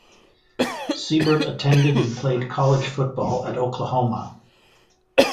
Seibert attended and played college football at Oklahoma.